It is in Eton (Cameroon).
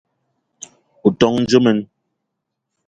O ton dje mene?